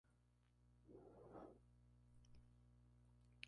El baptisterio contiene una fuente bautismal octagonal descentrada.